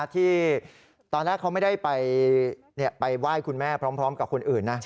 ที่ตอนแรกเขาไม่ได้ไปไหว้คุณแม่พร้อมกับคนอื่นนะ